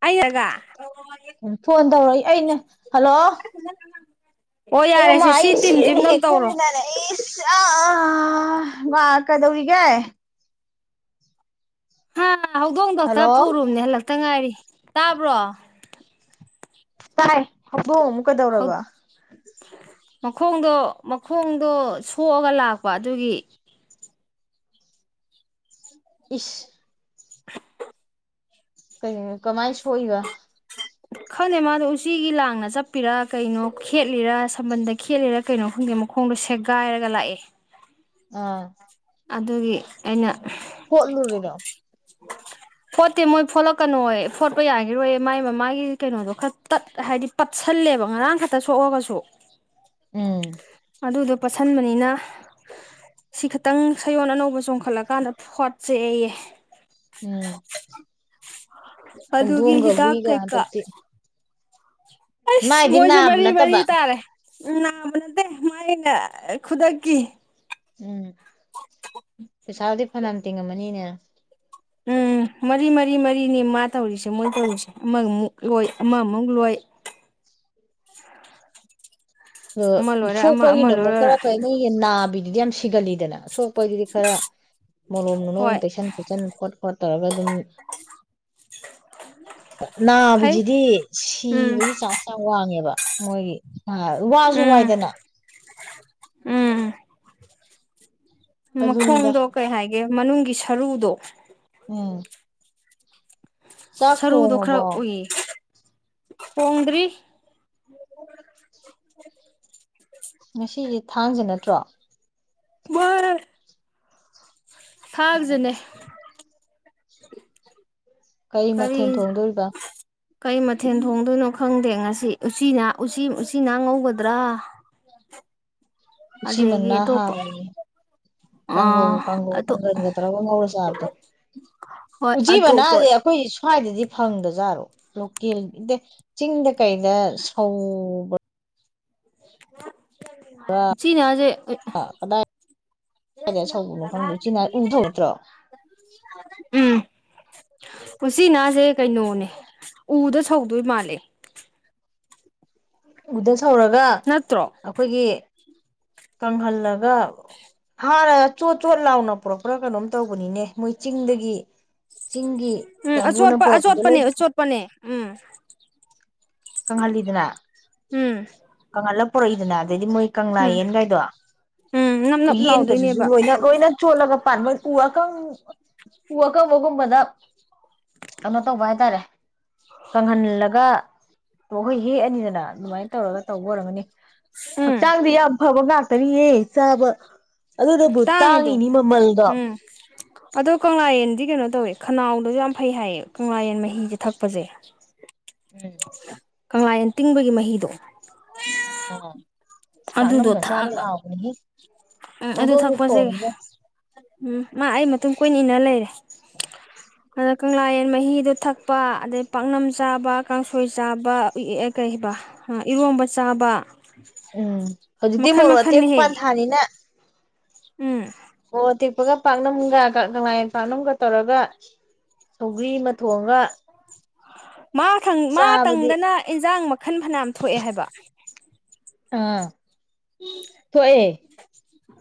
ꯑꯩꯔꯒ phone ꯇꯧꯔꯛꯏ ꯑꯩꯅ hello ꯑꯣ ꯃꯥ ꯌꯥꯔꯦꯁꯦ ꯁꯤ ꯇꯤꯝꯁꯤ ꯑꯩꯁꯤꯅꯦ ꯑꯝꯇꯪ ꯍꯦꯛ ꯇꯧꯔꯣ ꯈꯣꯡꯕꯨꯅꯅꯁ ꯑ ꯋꯥ ꯀꯗꯧꯔꯤꯒꯦ ꯍꯝ ꯍ ꯍꯧꯗꯣꯡ ꯍꯜꯂꯣ ꯗꯣꯇꯦꯔ ꯄꯨꯔꯨꯅꯦ ꯍꯂ ꯇ ꯉꯥꯏꯔꯤ ꯇꯥꯕ꯭ꯔꯣ ꯇꯥꯏ ꯕꯣ ꯑꯃꯨꯛ ꯀꯗꯧꯔꯕ ꯃꯈꯣꯡꯗꯣ ꯃꯈꯣꯡꯗꯣ ꯁꯣꯛꯑꯒ ꯂꯥꯛꯄ ꯑꯗꯨꯒꯤ ꯏꯁ [unintelligible] ꯀ ꯀꯃꯥꯏ ꯁꯣꯛꯏꯕ ꯈꯪꯗꯦ ꯃꯥꯗꯣ ꯎꯆꯤꯒꯤ ꯂꯥꯡꯅ ꯆꯠꯄꯤꯔꯥ ꯀꯩꯅꯣ ꯈꯦꯠꯂꯤꯔ ꯁꯝꯕꯟꯗ ꯈꯦꯠꯂꯤꯔꯥ ꯀꯩꯅꯣ ꯈꯪꯗꯦ ꯃꯈꯣꯡꯗꯣ ꯁꯦꯒꯥꯏꯔꯒ ꯂꯥꯛꯑꯦ ꯑꯥ ꯑꯗꯨꯒꯤ ꯑꯩꯅ ꯐꯣꯠꯂꯨꯔꯤꯔꯣ ꯐꯣꯠꯇꯦ ꯃꯣꯏ ꯐꯣꯠꯂꯛꯀꯅꯣ ꯐꯣꯠꯄ ꯌꯥꯈꯤꯔꯣꯏ ꯃꯥꯏ ꯃꯃꯥꯏꯒꯤ ꯀꯩꯅꯣꯗꯣ ꯈꯔ ꯇꯠ ꯍꯥꯏꯕꯗꯤ ꯄꯠꯁꯜꯂꯦꯕ ꯉꯔꯥꯡ ꯈꯛꯇ ꯁꯣꯛꯑꯒꯁꯨ ꯎꯝ ꯑꯗꯨꯗꯣ ꯄꯠꯁꯟꯕꯅꯤꯅ ꯁꯤ ꯈ ꯈꯤꯇꯪ ꯁꯌꯣꯟꯜ ꯑꯅꯧꯕ ꯆꯣꯡꯈꯠꯂꯀꯥꯟꯗ ꯐꯣꯠꯆꯦ ꯑꯩꯌꯦ ꯎꯝ ꯑꯗꯨꯒꯤ ꯍꯧꯗꯣꯡꯒ ꯍꯤꯗꯥꯛ ꯍꯨꯏꯒ ꯀꯩꯀꯥ ꯍꯟꯗꯛꯇꯤ ꯑꯁ ꯃꯥꯏꯗꯤ ꯃꯣꯏꯁꯨ ꯅꯥꯕ ꯃꯔꯤ ꯃꯔꯤ ꯅꯠꯇꯕ ꯇꯥꯔꯦ ꯎꯝ ꯅꯥꯕ ꯅꯠꯇꯦ ꯃꯥꯥꯏꯅ ꯈꯨꯗꯛꯀꯤ ꯎꯝ ꯄꯩꯁꯥꯥꯎꯗꯤ ꯐꯅꯝ ꯇꯤꯡꯉꯝꯃꯅꯤꯅꯦ ꯎꯝ ꯃꯔꯤ ꯃꯔꯤ ꯃꯔꯤꯅꯤ ꯃꯥ ꯇꯧꯔꯤꯁꯦ ꯃꯣꯏ ꯇꯧꯔꯤꯁꯦ ꯑꯃꯃꯨꯛ ꯂꯣꯏ ꯑꯃꯃꯨꯛ ꯂꯣꯏ ꯑꯃ ꯑꯣ ꯂꯣꯏꯔ ꯑꯃ ꯑꯃ ꯁꯣꯛꯄꯒꯤꯅ ꯑꯃꯨꯛ ꯈꯔ ꯂꯣꯏꯔ ꯐꯩꯉꯩꯒꯤ ꯅꯥꯕꯤꯗ ꯑꯗꯨꯗꯤ ꯌꯥꯝ ꯁꯤꯒꯜꯂꯤꯗꯅ ꯁꯣ ꯄꯣꯏꯗꯨꯗꯤ ꯈꯔ ꯍꯣꯏ ꯃꯣꯂꯣꯝ ꯨꯂꯣꯝ ꯇꯩꯁꯟ ꯈꯣꯠꯆꯟ ꯈꯣꯠ ꯈꯣꯠ ꯇꯧꯔꯒ ꯑꯗꯨꯝ ꯐꯩ ꯅꯥꯕꯤꯖꯤꯗꯤ ꯎꯝ ꯁꯤꯕꯒꯤ ꯆꯥꯟꯁ ꯌꯥꯝ ꯋꯥꯡꯉꯦꯕ ꯃꯣꯏꯒꯤ ꯋꯥꯁꯨ ꯎꯝ ꯋꯥꯏꯗꯅ ꯎꯝ ꯑꯗꯨꯅꯤꯗ ꯃꯈꯣꯡꯗꯣ ꯀꯩ ꯍꯥꯏꯒꯦ ꯃꯅꯨꯡꯒꯤ ꯁꯔꯨꯗꯣ ꯎꯝ ꯆꯥꯛ ꯊꯣꯡꯉꯕꯣ ꯄꯣꯡꯗꯔꯤ ꯉꯁꯤꯁꯦ ꯊꯥꯡꯁꯦ ꯅꯠꯇ꯭ꯔꯣ ꯃꯔꯔ ꯑꯣ ꯀꯩ ꯃꯊꯦꯜ ꯀꯔꯤ ꯊꯣꯡꯗꯣꯔꯤꯕ ꯀꯩ ꯃꯊꯦꯜ ꯊꯣꯡꯗꯣꯏꯅꯣ ꯈꯪꯗꯦ ꯉꯁꯤ ꯎꯆꯤꯅ ꯎꯆꯤ ꯎꯆ ꯆꯤꯅꯥ ꯉꯧꯒꯗ꯭ꯔꯥ ꯎꯆꯤ ꯑꯗꯒꯤ ꯃꯅꯥ ꯑꯇꯣꯞꯄ ꯍꯥꯎꯦ ꯀꯥꯡꯒꯧ ꯑꯥ ꯀꯥꯡꯒꯧ ꯑꯇꯣꯞ ꯀꯥꯡꯒꯟꯒꯗ꯭ꯔꯥꯒ ꯉꯧꯔ ꯆꯥꯕꯗꯣ ꯍꯣꯏ ꯎꯆꯤ ꯃꯅꯥꯁꯦ ꯑꯇꯣꯞꯄ ꯑꯩꯈꯣꯏ ꯁ꯭ꯋꯥꯏꯗꯗꯤ ꯐꯪꯗꯖꯥꯠꯔꯣ ꯂꯣꯀꯦꯜꯗ ꯆꯤꯡꯗ ꯀꯩꯗ ꯁꯧꯕ ꯁꯤꯤꯅꯦ ꯑꯖꯤꯦ ꯀꯗꯥꯏ ꯀꯗꯥꯏꯗ ꯁꯧꯕꯅꯣ ꯈꯪꯗꯦ ꯎꯆꯤꯅꯥ ꯎ ꯊꯧ ꯅꯠꯇ꯭ꯔꯣ ꯎꯝ ꯎꯆꯆꯤꯅꯥꯁꯦ ꯀꯩꯅꯣꯅꯦ ꯎꯗ ꯁꯧꯗꯣꯏ ꯃꯥꯜꯂꯦ ꯎꯗ ꯍꯧꯔꯒ ꯅꯠꯇ꯭ꯔꯣ ꯑꯩꯈꯣꯏꯒꯤ ꯀꯪꯍꯜꯂꯒ ꯍ ꯔ ꯆꯣ ꯆꯣ ꯂꯥꯎ ꯅ ꯄ꯭ꯔꯣ ꯄꯨꯔꯥ ꯀꯩꯅꯣꯝ ꯇꯧꯕꯅꯤꯅꯦ ꯃꯣꯏ ꯆꯤꯡꯗꯒꯤ ꯆꯤꯡꯒꯤ ꯎꯝ ꯀꯥꯡꯕꯨꯅ ꯑꯆꯣꯠꯄ ꯄꯨꯔꯛꯄꯗꯣ ꯂꯣꯏ ꯑꯆꯣꯠꯄꯅꯦ ꯑꯆꯣꯠꯄꯅꯦ ꯎꯝ ꯀꯪꯍꯜꯂꯤꯗꯅ ꯎꯝ ꯀꯪꯍꯠꯂꯒ ꯄꯨꯣꯔꯛꯏꯗꯅ ꯑꯗꯩꯗꯤ ꯃꯣꯏ ꯀꯪꯂꯥ ꯎꯝ ꯌꯦꯟꯒꯥꯏꯗꯣ ꯎꯝ ꯅꯞ ꯎ ꯅꯞ ꯌꯦꯟꯒꯖꯁꯨ ꯂꯥꯎꯗꯣꯏꯅꯦꯕ ꯂꯣꯏꯅ ꯂꯣꯏꯅ ꯆꯣꯠꯂꯒ ꯄ ꯃꯣꯏ ꯎ ꯑꯀꯪ ꯋꯥꯀ ꯋꯥꯒꯝꯕꯗ ꯀꯩꯅꯣ ꯇꯧꯕ ꯍꯥꯏꯇꯥꯔꯦ ꯀꯪꯍꯜꯂꯒ [unintelligible] ꯑꯗꯨꯃꯥꯏꯟ ꯇꯧꯔꯒ ꯇꯧꯕ ꯑꯣꯏꯔꯝꯒꯅꯤ ꯎꯝ ꯍꯛꯆꯥꯡꯗꯤ ꯌꯥꯝ ꯐꯕ ꯉꯥꯛꯇ ꯆꯕ ꯇꯥꯡꯉꯤꯗꯣ ꯎꯝ ꯑꯗꯣ ꯀꯪꯂꯥꯌꯦꯟꯗꯤ ꯀꯩꯅꯣ ꯇꯧꯋꯦ ꯈꯅꯥꯎꯗꯁꯨ ꯌꯥꯝ ꯐꯩ ꯍꯥꯏꯌꯦ ꯀꯪꯂꯥ ꯌꯦꯟ ꯃꯍꯤꯁꯦ ꯊꯛꯄꯁꯦ ꯎꯝ [inaudible] ꯀꯪꯂꯥꯟꯌꯦꯟ ꯇꯤꯡꯕꯒꯤ ꯃꯍꯤꯗꯣ ꯑ ꯑꯗꯨꯗꯣ ꯄꯥꯛꯅꯝꯒ ꯆꯕꯗ ꯊꯛꯑꯒ ꯍꯎꯕꯥꯅꯤꯍꯦ ꯎꯝ ꯑꯗꯨ ꯊꯛꯄꯁꯦ ꯎꯝ ꯃꯥ ꯑꯩ ꯃꯇꯨꯡ ꯀꯣꯏꯟ ꯏꯟꯅ ꯂꯩꯔꯦ ꯑꯗ ꯀꯪꯂꯥ ꯌꯦꯟ ꯃꯍꯤꯗꯣ ꯊꯛꯄ ꯑꯗꯩ ꯄꯥꯛꯅꯝ ꯆꯥꯕ ꯀꯥꯡꯁꯣꯏ ꯆꯥꯕ ꯀꯩꯕ ꯏꯔꯣꯝꯕ ꯆꯥꯕ ꯎꯝ ꯍꯧꯖꯤꯛꯇꯤ ꯃꯈꯟ ꯃꯣꯔꯣꯛ ꯑꯇꯦꯛꯄ ꯃꯈꯟꯅꯤꯍꯦ ꯄꯥꯟꯊꯥꯅꯤꯅ ꯎꯝ [unintelligible] ꯃꯣꯔꯣꯛꯇꯦꯛꯄꯒ ꯄꯥꯛꯅꯝꯒ ꯀꯪꯂꯥꯌꯦꯟ ꯄꯥꯛꯅꯝꯒ ꯇꯧꯔꯒ ꯁꯧꯒ꯭ꯔꯤ ꯑꯃ ꯊꯣꯡꯉꯒ ꯃꯥ ꯆꯥꯕꯗꯤ ꯇꯪꯗꯅ ꯏꯟꯁꯥꯡ ꯃꯈꯜ ꯐꯅꯌꯥꯝ ꯊꯣꯛꯑꯦ ꯍꯥꯏꯕ ꯑꯥ ꯊꯣꯛꯑꯦ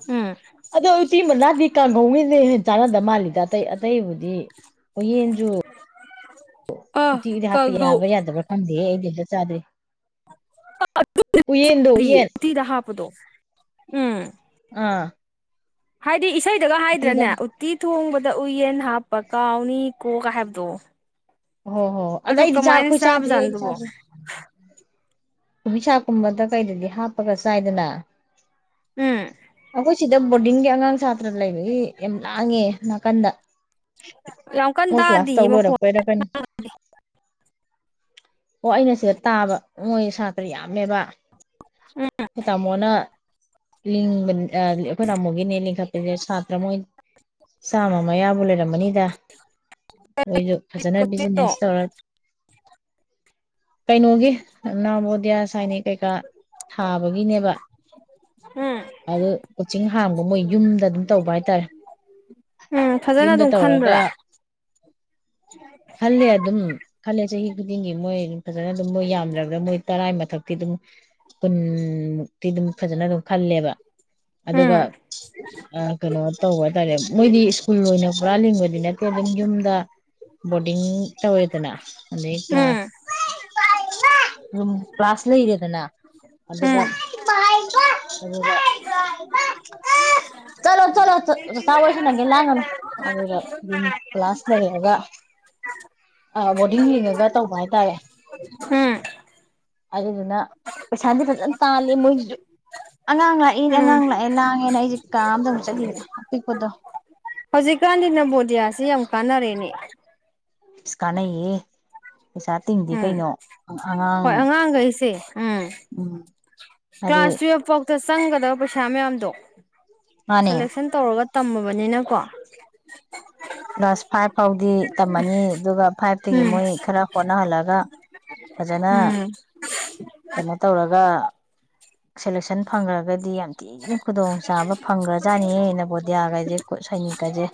ꯎꯝ ꯑꯗꯣ ꯎꯆꯤ ꯃꯅꯥ ꯗꯤ ꯀꯥꯡꯒꯧ [unintelligible] ꯆꯥꯟꯅꯗꯕ ꯃꯥꯜꯂꯤꯗ ꯑꯇꯩ ꯑꯇꯩꯕꯨꯗꯤ ꯎꯌꯦꯟ ꯖꯨ [inaudible] ꯎꯇꯤꯗꯤ ꯍꯥꯄꯄꯤ ꯌꯥꯕꯔ ꯀꯧꯔꯤ ꯌꯥꯗꯕꯔ ꯈꯪꯗꯦ ꯑꯩꯗꯤ ꯑꯝꯇꯥ ꯆꯥꯗ꯭ꯔꯤ ꯎꯌꯦꯟꯗꯣ ꯎꯌꯦꯟ [unintelligible] ꯎꯝ ꯑꯥ ꯍꯥꯏꯗꯤ ꯏꯁꯩ ꯗꯒ ꯎꯇꯤꯗ ꯍꯥꯏꯗ꯭ꯔꯅꯦ ꯎꯇꯤ ꯊꯣꯡꯕ ꯎꯌꯦꯟ ꯍꯥꯞꯄꯀꯥꯎꯅꯤ꯫ ꯀꯣ ꯀ ꯍꯥꯏꯕꯗꯣ꯫ ꯍꯣ ꯍꯣ ꯑꯗꯥ ꯑꯗꯣ ꯑꯩꯗꯤ ꯆꯥ ꯀꯃꯥꯏꯅ ꯑꯩꯈꯣꯏ ꯆꯥꯗꯦ ꯆꯥꯕꯖꯥꯠꯅꯣ ꯑꯩꯗꯤ ꯆꯥ ꯑꯗꯨꯕꯣ ꯗꯦ [inaudible] ꯀꯣꯕꯤꯁꯛꯀꯨꯝꯕꯗ ꯀꯩꯗꯗꯤ ꯍꯥꯞꯄꯒ ꯆꯥꯏꯗꯅ꯫ ꯎꯝ ꯑꯩꯈꯣꯏ ꯁꯤꯗ ꯕꯣꯔꯗꯤꯡꯒꯤ ꯑꯉꯥꯡ ꯁꯥꯇ꯭ꯔ ꯂꯩꯕꯒꯤ ꯌꯥꯝ ꯂꯥꯡꯉꯦ ꯅꯥꯀꯟꯗ꯫ ꯌꯥꯝ ꯀꯟꯅ ꯃꯣꯏ ꯀ꯭ꯂꯥꯁ ꯇꯧ ꯇꯥꯗꯤꯌꯦ ꯃꯈꯣꯡ꯫ ꯂꯣꯏꯔꯛꯄꯩꯔ ꯀꯩꯅꯣ ꯑꯣ ꯑꯩꯅ ꯁꯤꯗ ꯇꯥꯕ ꯃꯣꯏ ꯁꯥ꯫ ꯌꯥꯝꯃꯦꯕ ꯎꯝ ꯇꯥꯃꯣꯅ ꯂꯤꯡꯕꯥꯅꯦ ꯑꯩꯈꯣꯏ ꯇꯥꯃꯣꯒꯤꯅꯦ꯫ ꯂꯤꯡꯈꯠꯄꯁꯦ ꯁꯥꯇ꯭ꯔ ꯃꯣꯏ ꯆꯥꯝꯃ ꯑꯌꯥꯕꯨ ꯂꯩꯔꯝꯃꯅꯤꯗ꯫ ꯃꯣꯏꯁꯨ ꯐꯖꯅ ꯀꯛꯆꯤꯡꯔꯣ ꯕꯤꯖꯤꯅꯦꯁ ꯇꯔ꯫ ꯀꯩꯅꯣꯒꯤ ꯅꯥꯕꯣꯗꯤꯌꯥ ꯁꯥꯏꯅꯤꯛ ꯀꯩꯀꯥ ꯊꯥꯕꯒꯤꯅꯦꯕ꯫ ꯎꯝ ꯑꯗꯨ ꯀꯣꯆꯤꯡ ꯍꯥꯡꯕ ꯃꯣꯏ ꯌꯨꯝꯗ ꯑꯗꯨꯝ ꯇꯧꯕ ꯍꯥꯏꯇꯥꯔꯦ ꯎꯝ ꯐꯖꯅ ꯌꯨꯝꯗ ꯑꯗꯨꯝ ꯇꯧꯔꯒ ꯈꯟꯕ꯭ꯔꯥ ꯈꯜꯂꯦ ꯑꯗꯨꯝ ꯈꯜꯂꯦ ꯆꯍꯤ ꯈꯨꯗꯤꯡꯒꯤ ꯃꯣꯏ ꯐꯖꯅ ꯑꯗꯨꯝ ꯃꯣꯏ ꯌꯥꯝꯗ꯭ꯔꯕꯗ ꯃꯣꯏ ꯇꯔꯥꯏ ꯃꯊꯛꯇꯤ ꯑꯗꯨꯝ ꯀꯨꯟꯃꯨꯛ꯫ ꯇꯤ ꯑꯗꯨꯝ ꯐꯖꯅ ꯑꯗꯨꯝ ꯈꯜꯂꯦꯕ ꯎꯝ ꯑꯗꯨꯒ ꯀꯩꯅꯣ ꯇꯧꯕ ꯍꯥꯏꯇꯥꯔꯦ꯫ ꯃꯣꯏꯗꯤ ꯁ꯭ꯀꯨꯜ ꯑꯣꯏꯅ ꯄꯨꯔꯥ ꯂꯤꯡꯕꯗꯤ ꯅꯠꯇꯦ ꯑꯗꯨꯝ ꯌꯨꯝꯗ ꯕꯣꯔꯗꯤꯡ ꯇꯧꯔꯦꯗꯅ꯫ ꯑꯗꯩ ꯎꯝ ꯀ꯭ꯂꯥꯁ ꯑꯗꯨꯝ ꯀ꯭ꯂꯥꯁ ꯂꯩꯔꯦꯗꯅ ꯑꯗꯨꯒ ꯎꯝ ꯑꯗꯨꯒ ꯆꯂꯣ- ꯆꯂꯣ꯫ ꯆꯥꯋꯥꯔꯤ ꯁꯥꯅꯒꯦ ꯂꯥꯡꯒꯅꯨ ꯑꯗꯨꯒ ꯗꯨꯝ ꯀ꯭ꯂꯥꯁ ꯂꯩꯔꯒ ꯕꯣꯔꯗꯤꯡ ꯂꯤꯡꯉꯒ ꯇꯧꯕ ꯍꯥꯏꯇꯥꯔꯦ ꯎꯝ ꯑꯗꯨꯗꯨꯅ ꯄꯩꯁꯥꯗꯤ ꯐꯖꯅ ꯇꯥꯜꯂꯦ ꯃꯣꯏꯁꯤꯁꯨ ꯑꯉꯥꯡ ꯂꯥꯛꯑꯦ ꯎꯝ ꯑꯉꯥꯡ ꯂꯥꯛꯑꯦ ꯂꯥꯡꯉꯦꯅ ꯑꯩꯁꯦ ꯀꯥꯑꯃꯗ ꯃꯨꯛ ꯆꯪꯁꯥꯜꯂꯤ꯫ ꯑꯄꯤꯛꯄꯗꯣ꯫ ꯍꯧꯖꯤꯛꯀꯥꯟꯗꯤ ꯅꯣꯕꯣꯗꯤꯌꯥꯁꯤ ꯌꯥꯝ ꯀꯥꯟꯅꯔꯦꯅꯦ꯫ ꯀꯥꯟꯅꯩꯌꯦ ꯄꯩꯁꯥ ꯇꯤꯡꯗꯤ ꯎꯝ ꯀꯩꯅꯣ ꯑꯉꯥꯡ ꯍꯣꯏ ꯑꯉꯥꯡꯈꯩꯁꯦ ꯎꯝ ꯎꯝ ꯍꯥꯏꯗꯤ ꯀ꯭ꯂꯥꯁ ꯇꯨꯋꯦꯜꯐ ꯐꯥꯎꯗ ꯆꯪꯒꯗꯕ ꯄꯩꯁꯥ ꯃꯌꯥꯝ ꯗꯣ ꯃꯥꯅꯦ ꯁꯦꯂꯦꯛꯁꯟ ꯇꯧꯔꯒ ꯇꯝꯃꯕꯅꯤꯅꯀꯣ ꯗꯤ ꯇꯝꯃꯅꯤ ꯑꯗꯨꯒ ꯐꯥꯏꯚꯇꯒꯤ ꯎꯝ ꯃꯣꯏ ꯈꯔ ꯍꯣꯠꯅꯍꯜꯂꯒ ꯐꯖꯅ ꯎꯝ ꯀꯩꯅꯣ ꯇꯧꯔꯒ ꯁꯦꯂꯦꯛꯁꯟ ꯐꯪꯈ꯭ꯔꯒꯗꯤ ꯌꯥꯝ ꯊꯤꯅ ꯈꯨꯗꯣꯡꯆꯥꯥꯕ ꯐꯪꯒ꯭ꯔꯖꯥꯅꯤꯍꯦ ꯅꯣꯕꯣꯗꯤꯌꯥꯒꯁꯦ ꯁꯥꯏꯅꯤꯛ ꯀꯖꯦ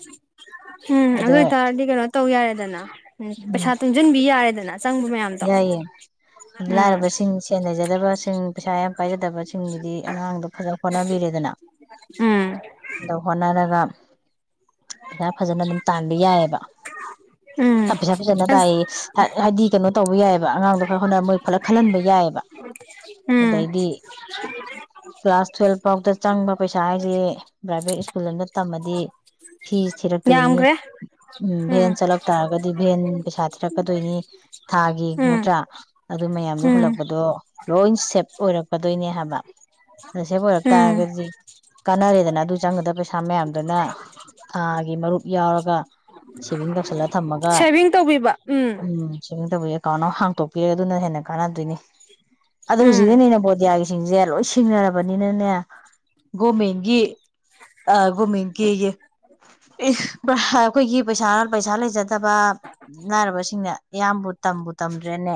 ꯎꯝ ꯑꯗꯨ ꯑꯣꯏꯇꯥꯔꯗꯤ ꯀꯩꯅꯣ ꯇꯧ ꯌꯥꯔꯦꯗꯅ ꯎ ꯎꯝ ꯄꯩꯁꯥ ꯇꯨꯡꯁꯤꯟꯕꯤ ꯌꯥꯔꯦꯗꯅ ꯆꯪꯕ ꯃꯌꯥꯝꯗꯣ ꯌꯥꯏꯌꯦ ꯎꯝ ꯂꯥꯏꯔꯕꯁꯤꯡ ꯁꯦꯟꯂꯩꯖꯗꯕꯁꯤꯡ ꯄꯩꯁꯥ ꯌꯥꯝ ꯄꯥꯏꯖꯗꯕꯁꯤꯡꯒꯤꯗꯤ ꯑꯉꯥꯡꯗꯣ ꯐꯖꯅ ꯍꯣꯠꯅꯕꯤꯔꯦꯗꯅ ꯎꯝ ꯑꯗ ꯍꯣꯠꯅꯔꯒ ꯄꯩꯁꯥ ꯐꯖꯅ ꯑꯗꯨꯝ ꯇꯥꯟꯕ ꯌꯥꯏꯑꯕ ꯎꯝ ꯄꯩꯁꯥ ꯐꯖꯅ ꯑꯁ ꯇꯥꯏꯌꯦ ꯍꯥꯏꯗꯤ ꯀꯩꯅꯣ ꯇꯧꯕ ꯌꯥꯏꯑꯕ ꯑꯉꯥꯡꯗꯣ ꯐꯅꯥ ꯍꯣꯠꯅꯔ ꯃꯣꯏ ꯐꯂ ꯈꯜꯍꯟꯕ ꯌꯥꯏꯑꯕ ꯎꯝ ꯑꯗꯩꯗꯤ ꯀ꯭ꯂꯥꯁ ꯇꯨꯋꯦꯜꯕ ꯐꯥꯎꯗ ꯆꯪꯕ ꯄꯩꯁꯥ ꯍꯥꯏꯁꯦ ꯄ꯭ꯔꯥꯏꯚꯦꯠ ꯁ꯭ꯀꯨꯜ ꯑꯃꯗ ꯇꯝꯃꯗꯤ ꯐ ꯊꯤꯔꯛꯇꯣꯏꯅꯤ ꯌꯥꯝꯈ꯭ꯔꯦ ꯎꯝ ꯚꯦꯟ ꯆꯠꯂꯛ ꯇꯥꯔꯒꯗꯤ ꯚꯦꯟ ꯄꯩꯁꯥ ꯊꯤꯔꯛꯀꯗꯣꯏꯅꯤ ꯊꯥꯒꯤ ꯎꯝ ꯅꯠꯇꯔꯥ ꯑꯗꯨ ꯃꯌꯝꯗꯣ ꯎꯝ ꯍꯨꯜꯂꯛꯄꯗꯣ ꯂꯣꯏ ꯁꯦꯕ ꯑꯣꯏꯔꯛꯀꯗꯣꯏꯅꯤ ꯅꯤ ꯍꯥꯏꯕ ꯑꯁꯤ ꯎꯝ ꯐꯔꯛꯇꯔꯒꯗꯤ ꯀꯥꯟꯅꯔꯦꯗꯅ ꯑꯗꯨ ꯆꯪꯒꯗꯕ ꯄꯩꯁꯥ ꯃꯌꯥꯝꯗꯨꯅ ꯑꯥꯒꯤ ꯃꯔꯨꯞ ꯌꯥꯎꯔꯒ ꯁꯦꯚꯤꯡ ꯇꯧꯁꯜꯂ ꯁꯦꯚꯤꯡ ꯇꯧꯕꯤꯕ ꯎꯝ ꯁꯦꯕꯤꯡ ꯇꯦꯕꯤꯔꯥ ꯑꯦꯀꯥꯎꯟ ꯍꯥꯡꯇꯣꯛꯄꯤꯔ ꯑꯗꯨꯅ ꯍꯦꯟꯅ ꯀꯥꯟꯅꯗꯣꯏꯅꯤ ꯑꯗꯣ ꯎꯝ ꯍꯧꯖꯤꯛꯀꯤꯅꯤꯅ ꯅꯣꯕꯣꯗꯤꯌꯥꯒꯤꯁꯤꯡꯁꯦ ꯂꯣꯏ ꯁꯤꯡꯅꯔꯕꯅꯤꯅꯅꯦ ꯒꯣꯃꯦꯟꯒꯤ ꯑꯥ ꯒꯣꯃꯦꯟꯒꯤꯌꯦ ꯑꯦ ꯑꯩꯈꯣꯏꯒꯤ ꯄꯩꯁꯥ ꯄꯩꯁꯥ ꯂꯩꯖꯗ ꯐꯠꯇꯕ ꯂꯥꯏꯔꯕꯁꯤꯡꯅ ꯏꯌꯥꯝꯕꯨ ꯇꯝꯕꯨ ꯇꯝꯗ꯭ꯔꯦꯅꯦ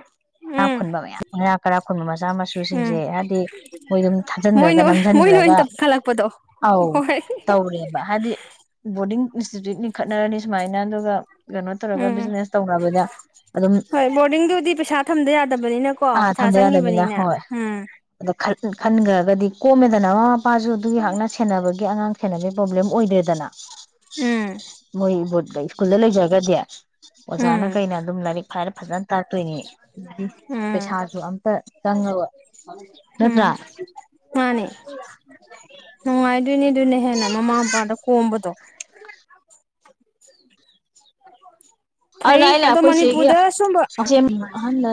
[inaudible] ꯉꯥ ꯈꯨꯟꯕ ꯃꯌꯥꯝ ꯃꯔꯥꯛ ꯀꯔꯥ ꯈꯨꯟꯕ ꯃꯆꯥ ꯎꯝ ꯃꯁꯨꯁꯤꯡꯁꯦ ꯍꯥꯏꯕꯗꯤ ꯃꯣꯏꯗꯨꯝ ꯊꯥꯖꯟꯒꯔꯒ ꯃꯣꯏꯅ ꯅꯥꯔꯒꯥ ꯃꯣꯏꯅ ꯑꯣꯏꯅ ꯅꯝꯁꯟꯈ꯭ꯔꯒ ꯇꯞꯈꯠꯂꯛꯄꯗꯣ ꯑꯧ ꯍꯣꯏ ꯇꯧꯔꯦꯕ ꯍꯥꯏꯕꯗꯤ ꯕꯣꯔꯗꯤꯡ [unintelligible] ꯈꯠꯅꯔꯅꯤ ꯁꯨꯃꯥꯏꯅ ꯑꯗꯨꯒ ꯀꯩꯅꯣ ꯇꯧꯔꯒ ꯎꯝ ꯕꯤꯖꯤꯅꯦꯁ ꯇꯧꯅꯕꯗ ꯑꯗꯨꯝ ꯐꯠꯇꯕꯅꯤꯅꯀꯣ ꯑꯥ ꯄꯩꯁꯥ ꯊꯝꯗ ꯌꯥꯗꯃꯤꯅ ꯆꯪꯉꯤꯕꯅꯤꯅ ꯎꯝ ꯒꯗꯤ ꯀꯣꯃꯦꯗꯅ ꯋꯥ ꯃꯄꯥꯁꯨ ꯑꯗꯨ ꯑꯩꯍꯥꯛꯅ ꯁꯦꯟꯅꯕꯒꯤ ꯑꯉꯥꯡ ꯁꯦꯟꯅꯕꯒꯤ ꯄ꯭ꯔꯣꯕ꯭ꯂꯦꯝ ꯑꯣꯏꯗꯔꯦꯗꯅ ꯎꯝ ꯃꯣꯏ ꯁ꯭ꯀꯨꯜꯗ ꯂꯩꯖ ꯒꯗꯤ ꯎꯝ ꯑꯣꯖꯥꯅ ꯀꯩꯅ ꯑꯗꯨꯝ ꯂꯥꯏꯔꯤꯛ ꯐꯥꯏꯔ ꯐꯖꯅ ꯇꯥꯛꯇꯣꯏꯅꯤ ꯎꯝ ꯄꯩꯁꯥꯁꯨ ꯑꯝꯇ ꯆꯪꯉꯕ ꯎꯝ ꯅꯠꯇ꯭ꯔꯥ ꯅꯨꯡꯉꯥꯏꯗꯣꯏꯅꯦ ꯑꯗꯨꯅ ꯍꯦꯟꯅ ꯃꯃꯥ ꯃꯄꯥꯗ ꯀꯣꯝꯕꯗꯣ [inaudible] ꯑꯗꯨꯅ ꯑꯩꯅ ꯑꯗꯣ ꯑꯩꯈꯣꯏ ꯁꯦꯒꯤ ꯃꯅꯤꯄꯨꯔꯗ ꯁꯨꯝꯕ ꯑꯍꯝꯗ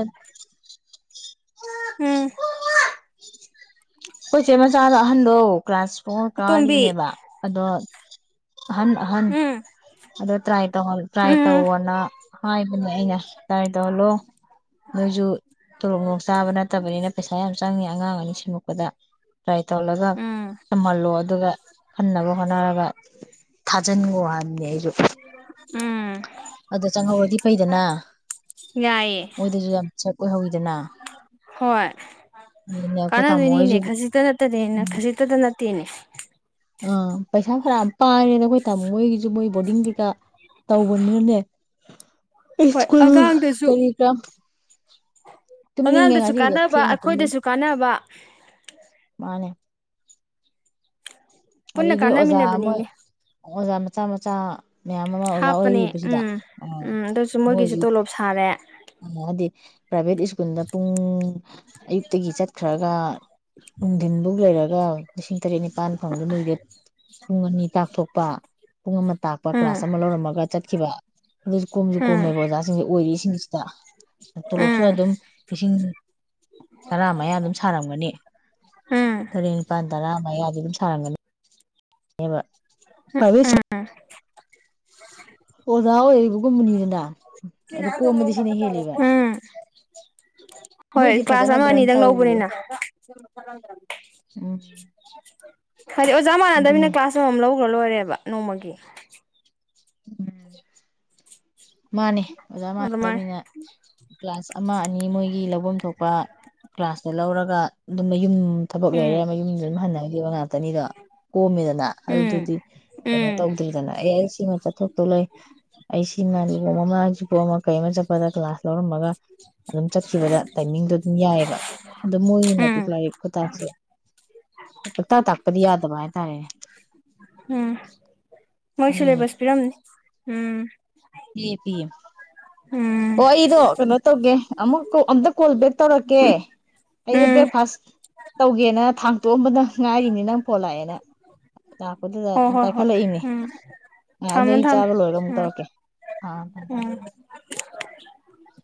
ꯎꯝ ꯈꯣꯏꯆꯦ ꯃꯆꯥꯗꯣ ꯑꯍꯟꯗꯣ ꯀ꯭ꯂꯥꯁ ꯐꯣꯔ ꯑꯇꯣꯝꯕꯤ ꯀꯥꯔꯤꯕꯅꯦꯕ ꯑꯗꯣ ꯑꯍꯟ ꯑꯍꯟ ꯎꯝ ꯇ꯭ꯔꯥꯏ ꯇꯧꯍꯟ ꯇ꯭ꯔꯥꯏ ꯎꯝ ꯇꯧꯋꯣꯅ ꯍꯕꯅꯤ ꯑꯩꯅ ꯇ꯭ꯔꯥꯏ ꯇꯧꯍꯜꯂꯣ ꯅꯣꯏꯁꯨ ꯇꯣꯂꯣꯞ ꯅꯨꯡꯂꯣꯞ ꯆꯥꯕ ꯅꯠꯇꯕꯅꯤꯅ ꯄꯩꯁꯥ ꯌꯥꯝ ꯆꯪꯅꯤ ꯑꯉꯥꯡ ꯑꯅꯤ ꯁꯦꯝꯃꯛꯄꯗ ꯇ꯭ꯔꯥꯏ ꯇꯧꯜꯂꯒ ꯎꯝ ꯇꯝꯍꯜꯂꯣ ꯑꯗꯨꯒ ꯈꯟꯅꯕ ꯍꯣꯠꯅꯔꯒ ꯊꯥꯖꯤꯟꯈꯣ ꯍꯥꯏꯅꯤ ꯑꯩ [unintelligible] ꯎꯝ ꯑꯗꯥ ꯆꯪꯍꯧꯔꯗꯤ ꯐꯩꯗꯅ ꯌꯥꯏꯌꯦ ꯃꯣꯏꯗꯁꯨ ꯌꯥꯝ ꯑꯣꯏꯍꯧꯋꯤꯗꯅ ꯍꯣꯏ ꯑꯗꯨꯅꯦ ꯑꯩꯈꯣꯏ ꯇꯥꯃꯣ ꯍꯣꯏꯁꯨ ꯀꯥꯟꯅꯗꯣꯏꯅꯤꯅꯦ ꯈꯖꯤꯛꯇ ꯅꯠꯇꯗꯤ ꯈꯖꯤꯛꯇꯗ ꯇꯦꯅꯦ ꯑ ꯄꯩꯁꯥ ꯈꯔ ꯄꯥꯔꯦꯗ ꯑꯩꯈꯣꯏ ꯇꯥꯃꯣ ꯍꯣꯏꯒꯤ ꯃꯣꯏ ꯕꯣꯔꯗꯤꯡ ꯀꯩꯀꯥ ꯇꯧꯕꯅꯤꯅꯅꯦ ꯍꯣꯏ ꯏꯁꯀꯨꯜ ꯑꯉꯥꯡꯗꯁꯨ ꯀꯔꯤ ꯀꯔꯥ ꯇꯨꯝꯅꯤꯡꯉꯦ ꯑꯉꯥꯡꯗꯁꯨ ꯉꯁꯤꯗꯤ ꯀꯥꯟꯅꯕ ꯊꯦꯡꯅ ꯇꯨꯝꯕꯩ ꯑꯩꯈꯣꯏꯗꯁꯨ ꯀꯥꯟꯅꯕ ꯃꯥꯅꯦ ꯄꯨꯟꯅ ꯑꯗꯩꯗꯤ ꯑꯣꯖꯥ ꯑꯃ ꯀꯥꯟꯅꯃꯤꯟꯅꯕꯅꯤꯅꯦ ꯑꯣꯖꯥ ꯃꯆꯥ ꯃꯆꯥ ꯃꯌꯥꯝ ꯑꯃ ꯑꯣꯖꯥ ꯍꯥꯞꯄꯅꯦ ꯑꯣꯏꯔꯤꯕꯁꯤꯗ ꯎꯝ ꯑ ꯎꯝ ꯑꯗꯨꯁꯨ ꯃꯣꯏꯒꯤꯁꯨ ꯃꯣꯏꯁꯨ ꯇꯣꯂꯣꯞ ꯁꯥꯔꯦ ꯑꯗꯤ ꯄ꯭ꯔꯥꯏꯚꯦꯠ ꯁ꯭ꯀꯨꯜꯗ ꯄꯨꯡ ꯑꯌꯨꯛꯇꯒꯤ ꯆꯠꯈ꯭ꯔꯒ ꯅꯨꯡꯊꯤꯟꯐꯧ ꯂꯩꯔꯒ ꯂꯤꯁꯤꯡ ꯇꯔꯦꯠ ꯅꯤꯄꯥꯜ [unintelligible] ꯄꯨꯡ ꯑꯅꯤ ꯇꯥꯛꯊꯣꯛꯄ ꯄꯨꯡ ꯑꯃ ꯇꯥꯛꯄ ꯀ꯭ꯂꯥꯁ ꯎꯝ ꯑꯃ ꯂꯧꯔꯝꯃꯒ ꯆꯠꯈꯤꯕ ꯑꯗꯨꯁꯨ ꯀꯣꯝꯁꯨ ꯎꯝ ꯀꯣꯝꯃꯦꯕ ꯑꯣꯖꯥꯁꯤꯡꯁꯦ ꯑꯣꯏꯔꯤꯁꯤꯡꯁꯦ [unintelligible] ꯇꯣꯂꯣꯞꯁꯨ ꯎꯝ ꯑꯗꯨꯝ ꯂꯤꯁꯤꯡ ꯇꯔꯥꯃꯌꯥ ꯑꯗꯨꯝ ꯁꯥꯔꯝꯒꯅꯤ ꯎꯝ ꯇꯔꯦꯠ ꯅꯤꯄꯥꯜ ꯇꯔꯥ ꯃꯌꯥ [unintelligible] ꯊꯥꯥꯡꯒꯅꯤ ꯍꯦꯃ ꯎꯝ ꯎꯝ ꯑꯣꯖ ꯑꯣꯏꯌꯦ ꯀꯨꯝꯕꯅꯤꯔꯗꯥ ꯎꯝ ꯍꯣꯏ ꯃꯣꯏꯗꯤ ꯀ꯭ꯂꯥꯁ ꯐꯖꯅ ꯑꯃ ꯔꯟ ꯑꯅꯤꯗꯪ ꯇꯧꯋꯦ ꯂꯧꯕꯅꯤꯅ ꯎꯝ ꯑꯣꯖꯥ ꯃꯥꯟꯅꯗꯕꯤꯅ ꯑꯗꯨꯅꯦ ꯀ꯭ꯂꯥꯁ ꯑꯃ ꯑꯃꯝ ꯂꯧꯈ꯭ꯔ ꯂꯣꯏꯔꯦꯕ ꯅꯣꯡꯃꯒꯤ ꯎꯝ ꯃꯥꯅꯦ ꯑꯣꯖꯥ ꯑꯗꯨꯃꯥꯏꯅ ꯃꯥꯟꯅꯗꯕꯤꯅ ꯀ꯭ꯂꯥꯁ ꯑꯃ ꯑꯅꯤ ꯃꯣꯏꯒꯤ ꯂꯧꯐꯝ ꯊꯣꯛꯄ ꯂ ꯀ꯭ꯂꯥꯁꯇ ꯂꯧꯔꯒ ꯑꯗꯨꯝꯕ ꯌꯨꯝ ꯊꯕꯛ ꯂꯩꯔꯦ ꯎꯝ ꯃꯌꯨꯝꯗ ꯑꯗꯨꯝ ꯍꯟꯅꯈꯤꯕ ꯉꯥꯛꯇꯅꯤꯗꯣ ꯀꯣꯝꯃꯦꯗꯅ ꯎꯝ ꯑꯗꯨꯗꯨꯗꯤ ꯀꯩꯅꯣ ꯎꯝ ꯇꯧꯗ꯭ꯔꯤꯗꯅ ꯑꯦ ꯑꯩ ꯁꯤꯃ ꯇꯣ ꯂꯩ ꯑꯩ ꯁꯤ ꯉꯜꯂꯨ ꯃꯃ ꯄ ꯀꯩꯃ ꯆꯄ ꯀ ꯀ꯭ꯂꯥꯁꯣ ꯑꯗꯨꯝ ꯆꯠꯈꯤꯕꯗ ꯇꯥꯏꯃꯤꯡꯗꯣ ꯑꯗꯨꯝ ꯌꯥꯏꯑꯕ ꯑꯗꯣ ꯎꯝ ꯃꯣꯏꯒꯤꯅꯄꯤꯛꯂꯥꯏꯔꯤꯛ ꯈꯨꯇꯥꯛꯁꯦ ꯄꯨꯇꯥꯛ ꯇꯥꯛꯄꯗꯤ ꯌꯥꯗꯕ ꯍꯥꯏꯇꯥꯔꯦꯅꯦ ꯎꯝ ꯃꯣꯏ ꯑꯗꯨꯅꯦ ꯁꯂꯦꯕꯁ ꯄꯤꯔꯝꯅꯤ ꯎꯝ ꯄꯤꯌꯦ ꯄꯤꯌꯦ ꯎꯝ ꯑꯣ ꯑꯩꯗꯣ ꯀꯩꯅꯣ ꯇꯧꯒꯦ ꯑꯃꯨꯛ ꯑꯝꯇ ꯀꯣꯜ ꯕꯦꯛ ꯇꯧꯔꯛꯀꯦ ꯑꯩꯗꯣ ꯎꯝ ꯕ꯭ꯔꯦꯛꯐꯥꯁ ꯇꯧꯒꯦꯅ ꯊꯥꯡ ꯇꯣꯛꯑꯝꯕꯗ ꯉꯥꯏꯔꯤꯅꯦ ꯅꯪ ꯐꯣꯟꯜ ꯂꯥꯛꯑꯦꯅ ꯂꯥꯛꯄꯗꯨꯗ ꯍꯣꯏ ꯍꯣꯏ ꯍꯣꯏ ꯄꯥꯏꯈꯠꯂꯛꯏꯅꯦ ꯎꯝ ꯑ ꯑꯗꯨ ꯊꯝꯃꯣ ꯑꯩ ꯊꯝꯃꯣ ꯆꯥꯕ ꯂꯣꯏꯔꯒ ꯑꯃꯨꯛ ꯎꯝ ꯇꯧꯔꯛꯀꯦ ꯑꯥ ꯊꯝ ꯊꯝ ꯎꯝ [unintelligible]